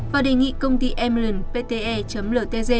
và đề nghị công ty emerald pte ltg